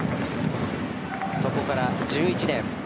そこから１１年。